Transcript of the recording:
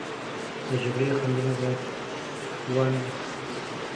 د جګړې خنډونه باید ونډ